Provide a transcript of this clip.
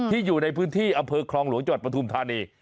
ที่อยู่ในพื้นที่อำเภอคลองหลวงจุดประธุมธานี